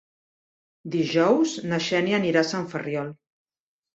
Dijous na Xènia anirà a Sant Ferriol.